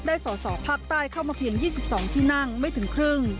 สอสอภาคใต้เข้ามาเพียง๒๒ที่นั่งไม่ถึงครึ่ง